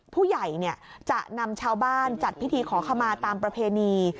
ผู้ใหญ่จะนำชาวบ้านจัดพิธีขอขมาตามประเพณี